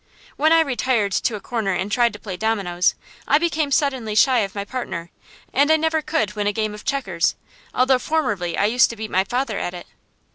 When I retired to a corner and tried to play dominoes, I became suddenly shy of my partner; and I never could win a game of checkers, although formerly I used to beat my father at it.